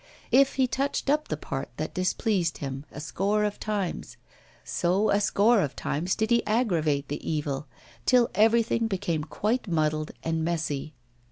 If he touched up the part that displeased him a score of times, so a score of times did he aggravate the evil, till everything became quite muddled and messy.